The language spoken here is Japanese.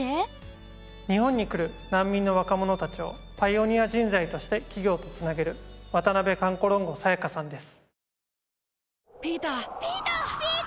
日本に来る難民の若者たちをパイオニア人材として企業と繋げる渡部カンコロンゴ清花さんです。